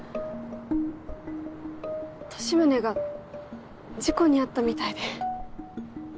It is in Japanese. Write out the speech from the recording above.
利宗が事故に遭ったみたいで。